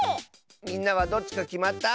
みんなはどっちかきまった？